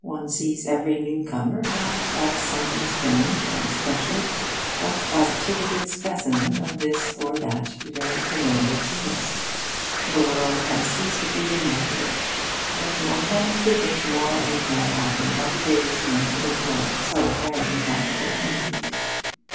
One sees every newcomer not as something strange and special, but as a ticketed specimen of this or that very familiar genus. The world has ceased to be remarkable; and one tends to think more and more often of the days when it was so very remarkable indeed.